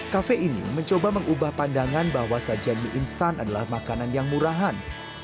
kafe ini mencoba mengubah pandangan bahwa sajian mie instan adalah makanan yang murahan